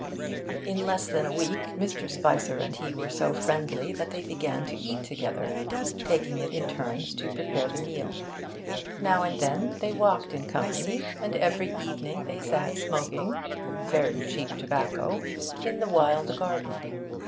In less than a week Mr. Spicer and he were so friendly that they began to eat together, taking it in turns to prepare the meal. Now and then they walked in company, and every evening they sat smoking (very cheap tobacco) in the wild garden.